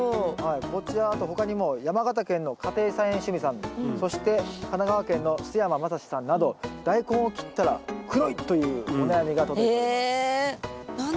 こちらあと他にも山形県の家庭菜園趣味さんそして神奈川県の須山正志さんなどダイコンを切ったら黒いというお悩みが届いております。